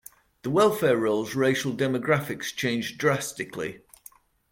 The welfare rolls racial demographics changed drastically.